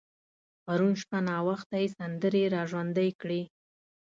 پرون شپه ناوخته يې سندرې را ژوندۍ کړې.